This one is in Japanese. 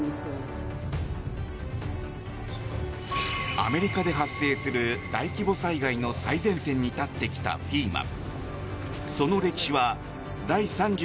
アメリカで発生する大規模災害の最前線に立ってきたＦＥＭＡ。